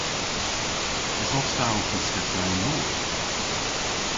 Esos ta ow pyskessa yn mor?